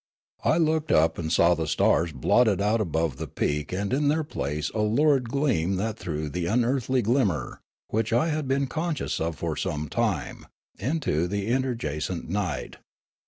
I looked up and saw the stars blotted out above the peak and in their place a lurid gleam that threw the unearthly glimmer, which I had been conscious of for some time, into the inter jacent night.